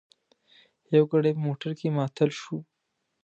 یو ګړی په موټر کې معطل شوو.